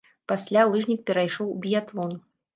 Пасля лыжнік перайшоў у біятлон.